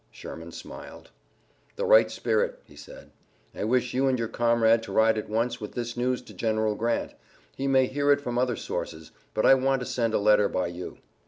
Sherman smiled. "The right spirit," he said. "I wish you and your comrade to ride at once with this news to General Grant. He may hear it from other sources, but I want to send a letter by you."